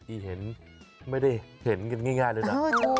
ที่เห็นไม่ได้เห็นกันง่ายเลยนะ